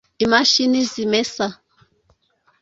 imashini zimesa